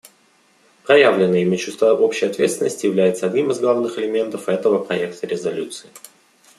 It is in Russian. Проявленное ими чувство общей ответственности является одним из главных элементов этого проекта резолюции.